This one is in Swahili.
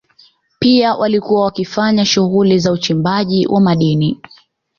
Pia walikuwa wakifanya shughuli za uchimbaji wa madini